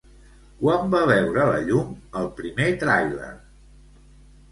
Quan va veure la llum el primer tràiler?